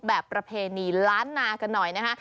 ประเพณีล้านนากันหน่อยนะคะ